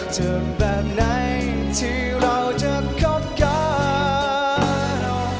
ถึงแบบไหนที่เราจะคบกัน